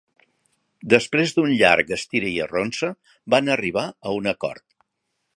Després d'un llarg estira-i-arronsa van arribar a un acord.